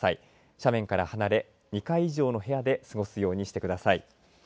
斜面から離れ２階以上の部屋で過ごすようにしてください。